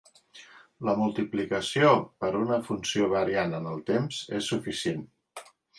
La multiplicació per una funció variant en el temps és suficient.